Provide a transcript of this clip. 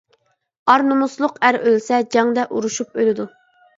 ئار-نومۇسلۇق ئەر ئۆلسە جەڭدە ئۇرۇشۇپ ئۆلىدۇ.